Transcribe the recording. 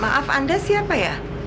maaf anda siapa ya